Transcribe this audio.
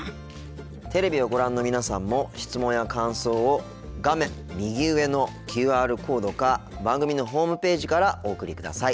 テレビをご覧の皆さんも質問や感想を画面右上のＱＲコードか番組のホームページからお送りください。